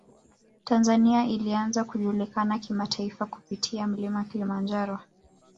tanzania ilianza kujulikana kimataifa kupitia mlima kilimanjaro